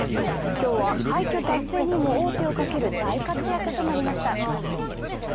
今日は快挙達成にも王手をかける大活躍となりました。